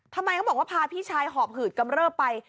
เขาบอกว่าพาพี่ชายหอบหืดกำเริบไป